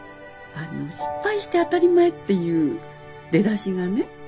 失敗して当たり前っていう出だしがね。